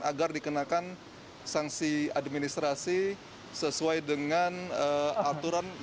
agar dikenakan sanksi administrasi sesuai dengan aturan